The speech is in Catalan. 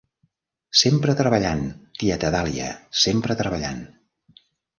Sempre treballant, tieta Dahlia, sempre treballant.